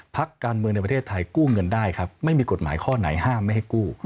พักการเมืองในประเทศไทยกู้เงินได้ครับไม่มีกฎหมายข้อไหนห้ามไม่ให้กู้